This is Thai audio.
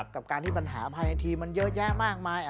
กับการที่ปัญหาภายในทีมันเยอะแยะมากมาย